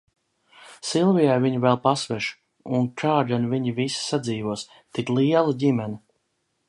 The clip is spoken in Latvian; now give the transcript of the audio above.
Silvijai viņa vēl pasveša, un kā gan viņi visi sadzīvos, tik liela ģimene!